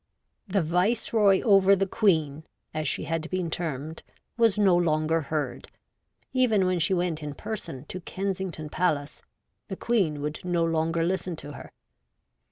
' The Viceroy over the Queen,' as she had been termed, was no longer heard ; even when she went in person to Kensington Palace, the Queen would no longer listen to her.